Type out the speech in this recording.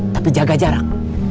tapi jaga jarak